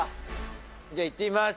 じゃあ、いってみます。